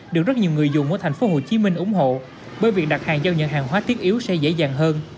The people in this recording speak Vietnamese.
được rất nhiều người dùng ở tp hcm ủng hộ bởi việc đặt hàng giao nhận hàng hóa thiết yếu sẽ dễ dàng hơn